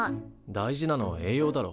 大事なのは栄養だろ。